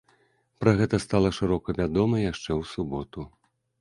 Пра гэта стала шырока вядома яшчэ ў суботу.